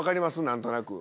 何となく。